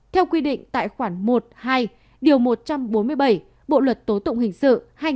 theo quy định tại khoản một hai điều một trăm bốn mươi bảy bộ luật tố tụng hình sự hai nghìn một mươi năm